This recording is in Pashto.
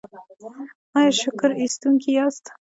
ایا شکر ایستونکي یاست؟